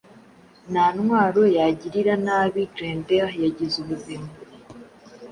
Nta ntwaro yagirira nabi Grendel yagize ubuzima